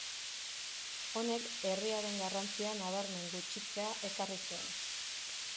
Honek herriaren garrantzia nabarmen gutxitzea ekarri zuen.